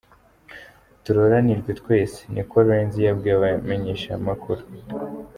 Turoranirwe twese,” ni ko Renzi yabwiye abamenyeshamakuru.